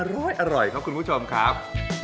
อร่อยครับคุณผู้ชมครับ